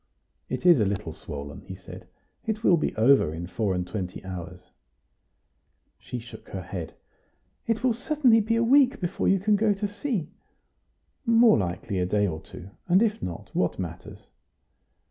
"It is a little swollen," he said; "it will be over in four and twenty hours." She shook her head. "It will certainly be a week before you can go to sea." "More likely a day or two; and if not, what matters?"